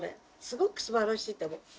すごくすばらしいと思う。